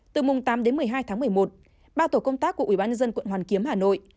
từ mùng tám đến một mươi hai tháng một mươi một ba tổ công tác của ubnd quận hoàn kiếm hà nội